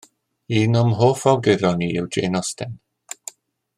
Un o'm hoff awduron i yw Jane Austen.